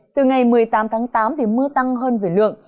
từ ngày một mươi tám tháng tám thì mưa tăng hơn về lượng